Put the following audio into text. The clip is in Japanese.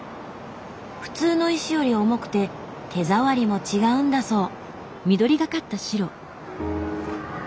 普通の石より重くて手触りも違うんだそう。